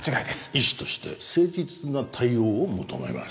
医師として誠実な対応を求めます